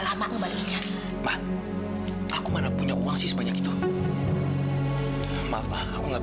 sampai jumpa di video selanjutnya